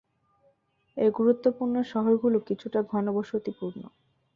এর গুরুত্বপূর্ণ শহরগুলো কিছুটা ঘনবসতিপূর্ণ।